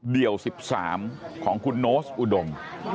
เดี่ยว๑๓ของคุณโน้ตอุดม